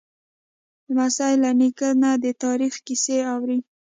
لمسی له نیکه نه د تاریخ کیسې اوري.